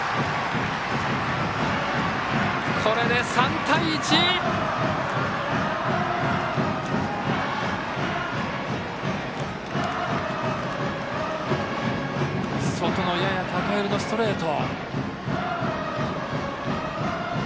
これで３対１！外のやや高めのストレート。